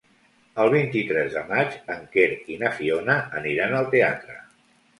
El vint-i-tres de maig en Quer i na Fiona aniran al teatre.